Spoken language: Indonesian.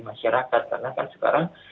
masyarakat karena kan sekarang